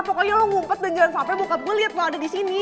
pokoknya lo ngumpet dan jangan sampai bokap gue liat lo ada disini